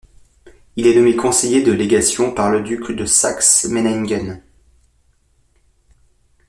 Il est nommé conseiller de légation par le duc de Saxe-Meiningen.